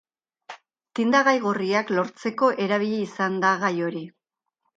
Tindagai gorriak lortzeko erabili izan da gai hori.